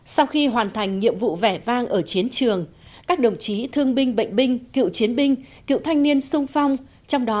sau khi hoàn thành nhiệm vụ vẻ vang ở chiến trường các đồng chí thương binh bệnh binh cựu chiến binh cựu thanh niên sung phong